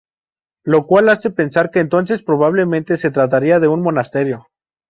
Lo cual hace pensar que entonces probablemente se trataría de un monasterio.